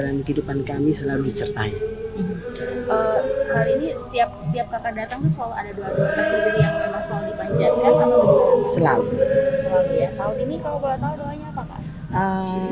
laut ini kalau boleh tahu doanya apakah